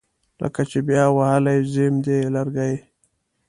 لکه چې بیا وهلي زیم دي لرګي